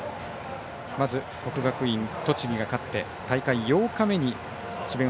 まず国学院栃木が勝って大会８日目に智弁